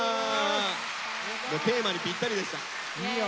もうテーマにぴったりでした。